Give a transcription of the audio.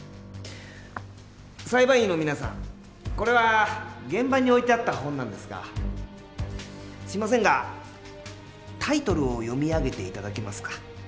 裁判員の皆さんこれは現場に置いてあった本なんですがすいませんがタイトルを読み上げて頂けますか？